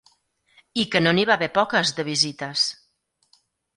I que no n'hi va haver poques de visites!